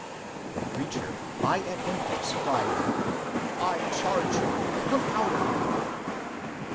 The preacher, by an impulse, cried, ^^ I charge you come out of him